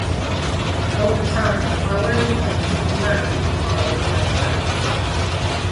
Over time, flowering plants will emerge, followed by shrubs.